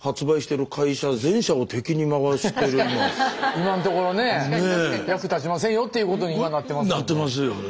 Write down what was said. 今のところねえ役立ちませんよっていうことに今なってますよね。